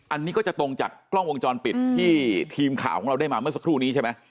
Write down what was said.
อันนี้ก็จะตรงจากกล้องวงจรปิดที่ทีมข่าวของเราได้มาเมื่อสักครู่นี้ใช่ไหม